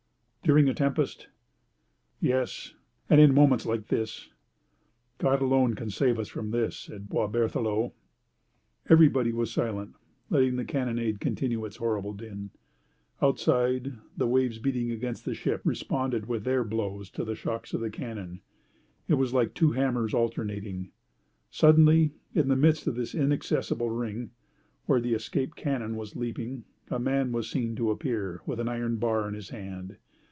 "During a tempest?" "Yes, and in moments like this." "God alone can save us from this," said Boisberthelot. Everybody was silent, letting the carronade continue its horrible din. Outside, the waves beating against the ship responded with their blows to the shocks of the cannon. It was like two hammers alternating. Suddenly, in the midst of this inaccessible ring, where the escaped cannon was leaping, a man was seen to appear, with an iron bar in his hand.